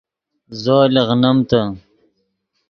زو لیغنیم تے